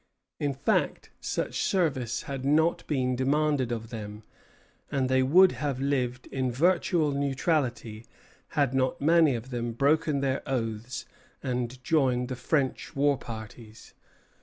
In fact, such service had not been demanded of them, and they would have lived in virtual neutrality, had not many of them broken their oaths and joined the French war parties.